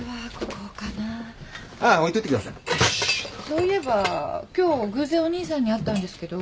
そういえば今日偶然お兄さんに会ったんですけど。